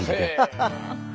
ハハハハ！